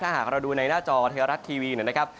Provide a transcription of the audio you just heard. หากเราดูในหน้าจอไทยรัฐทีวีนะครับ